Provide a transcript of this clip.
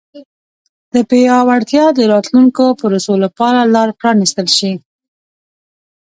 د پیاوړتیا د راتلونکو پروسو لپاره لار پرانیستل شي.